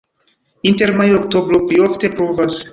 Inter majo-oktobro pli ofte pluvas.